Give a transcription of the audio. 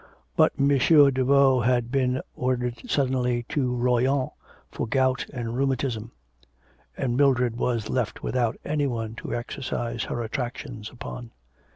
But M. Daveau had been ordered suddenly to Royon for gout and rheumatism, and Mildred was left without any one to exercise her attractions upon.